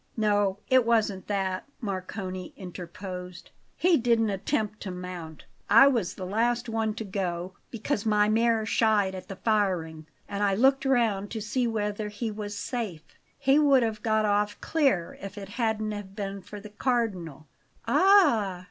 "No, it wasn't that," Marcone interposed. "He didn't attempt to mount. I was the last one to go, because my mare shied at the firing; and I looked round to see whether he was safe. He would have got off clear if it hadn't been for the Cardinal." "Ah!"